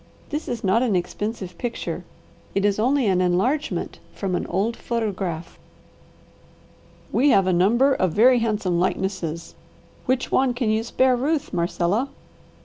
This is not an expensive picture. It is only an enlargement from an old photograph." "We have a number of very handsome likenesses. Which one can you spare Ruth, Marcella?"